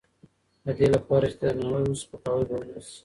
د دې لپاره چې درناوی وشي، سپکاوی به ونه شي.